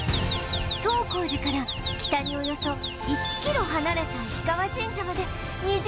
東光寺から北におよそ１キロ離れた氷川神社まで２時間ほどかけ